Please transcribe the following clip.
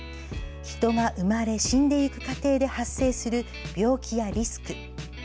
人が生まれ、死んでゆく過程で発生する病気やリスク。